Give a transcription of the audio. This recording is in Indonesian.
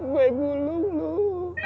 gue belum loh